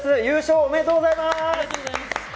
おめでとうございます！